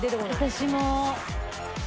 私も。